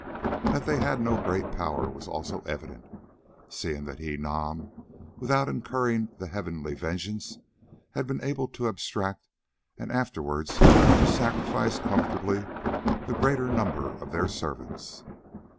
That they had no great power was also evident, seeing that he, Nam, without incurring the heavenly vengeance, had been able to abstract, and afterwards to sacrifice comfortably, the greater number of their servants.